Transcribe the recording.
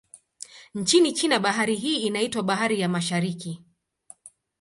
Nchini China, bahari hii inaitwa Bahari ya Mashariki.